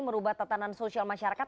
merubah tatanan sosial masyarakat